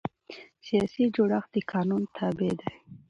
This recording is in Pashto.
سیاسي جوړښت د قانون تابع دی